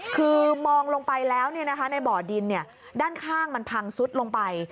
คือมองลงไปแล้วในบ่อดินด้านข้างมันพังซุดลงไป